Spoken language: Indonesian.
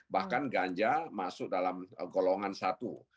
bahkan ganja masuk dalam golongan satu